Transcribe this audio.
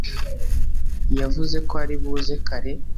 yavuze ko aribuze kare